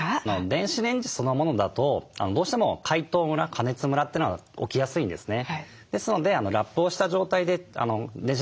電子レンジそのものだとどうしても解凍ムラ加熱ムラというのが起きやすいんですね。